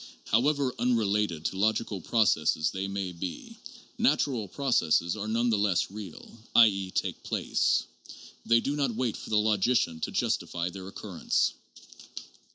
However unrelated to logical processes they may be, natural processes are none the less real, i.e., take place ; they do not wait for the logician to justify their occurrence.